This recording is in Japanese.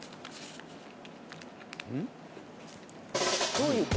どういう事？